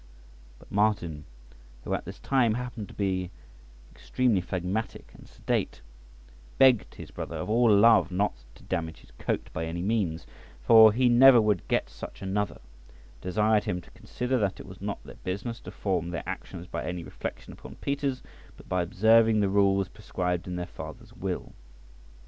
But Martin, who at this time happened to be extremely phlegmatic and sedate, begged his brother, of all love, not to damage his coat by any means, for he never would get such another; desired him to consider that it was not their business to form their actions by any reflection upon Peter's, but by observing the rules prescribed in their father's will.